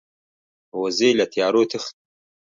وزې له تیارو تښتي